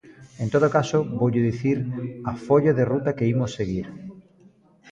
En todo caso, voulle dicir a folla de ruta que imos seguir.